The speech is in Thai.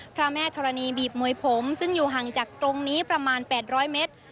พระแม่ธรณีบีบมวยผมซึ่งอยู่ห่างจากตรงนี้ประมาณ๘๐๐เมตร